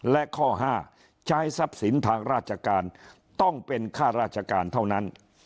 และข้อ๕ใช้ทรัพย์สินทางราชการต้องเป็นค่าราชการเท่านั้น